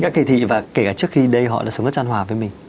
đã kỳ thị và kể cả trước khi đây họ đã sống rất an hoà với mình